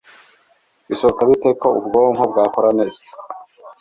Bishoboka bite ko ubwonko bwakora neza